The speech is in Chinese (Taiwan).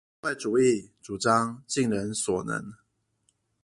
社會主義主張盡人所能